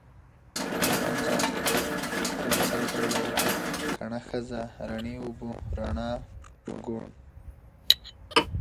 کيڼ لاس، کوڼ سړی، کڼه ښځه، رڼې اوبه، رڼا، شکوڼ